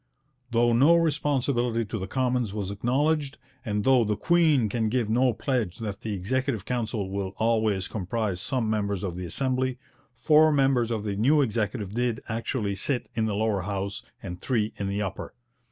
Though no responsibility to the Commons was acknowledged, and though 'the Queen can give no pledge that the Executive Council will always comprise some members of the Assembly,' four members of the new Executive did actually sit in the Lower House and three in the Upper.